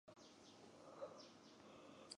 幼名为珠宫。